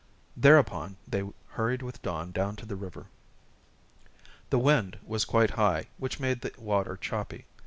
Thereupon they hurried with Don down to the river. The wind was quite high, which made the water choppy.